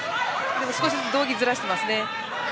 でも、少しずつ道着をずらしています。